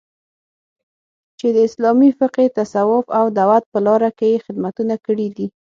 چې د اسلامي فقې، تصوف او دعوت په لاره کې یې خدمتونه کړي دي